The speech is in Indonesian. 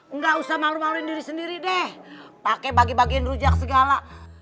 enggak usah malu maluin diri sendiri deh pakai bagi bagiin rujak segala